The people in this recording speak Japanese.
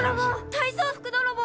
体操服泥棒！